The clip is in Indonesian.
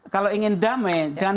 kalau ingin damai jangan